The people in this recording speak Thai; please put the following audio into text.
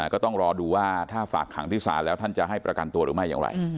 ก็ต้องรอดูว่าถ้าฝากขังที่ศาลแล้วท่านจะให้ประกันตัวหรือไม่อย่างไร